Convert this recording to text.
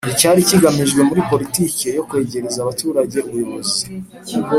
Icyari kigamijwe muri poritiki yo kwegereza abaturage ubuyobozi